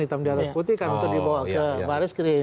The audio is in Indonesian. hitam di atas putih kan untuk dibawa ke baris krim